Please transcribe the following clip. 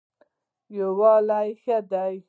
یووالی ښه دی.